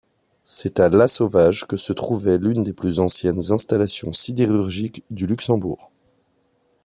C'est à Lasauvage que se trouvait l'une des plus anciennes installations sidérurgiques du Luxembourg.